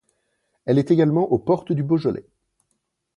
Elle est également aux portes du Beaujolais.